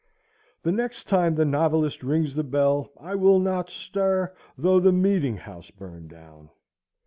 The next time the novelist rings the bell I will not stir though the meeting house burn down.